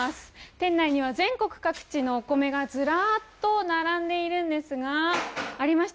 店内には全国各地のお米がずらっと並んでいますがありました。